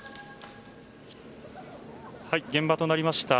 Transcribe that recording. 現場となりました